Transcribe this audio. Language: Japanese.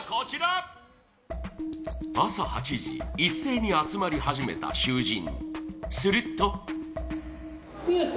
朝８時、一斉に集まり始めた囚人。